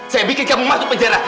saya bikin kamu masuk penjara